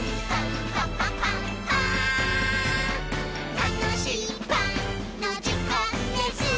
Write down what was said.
「たのしいパンのじかんです！」